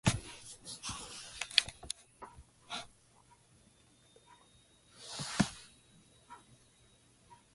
This species is long with a wingspan.